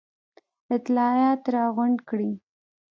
اطلاعات را غونډ کړي.